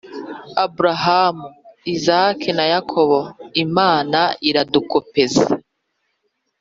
abrahamu, izaki na yakobo. »imana iradukopeza,